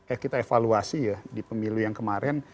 eh kita evaluasi ya di pemilu yang kemarin